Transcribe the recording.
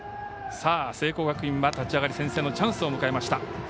聖光学院は立ち上がり先制のチャンスを迎えました。